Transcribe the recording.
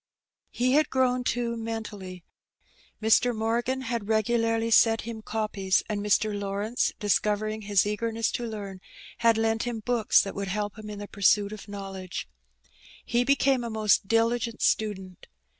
He had grown, too, mentally. Mr. Morgan had regu larly set him copies, and Mr. Lawrence, discovering his eagerness to learn, had lent him books that would help him in the pursuit of knowledge. He became a most diligent student.